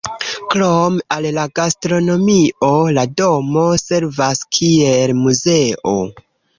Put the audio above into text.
Krom al la gastronomio la domo servas kiel muzeo.